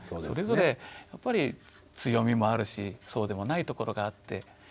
それぞれやっぱり強みもあるしそうでもないところがあって。